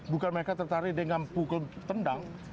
bukan mereka tertarik dengan pukul tendang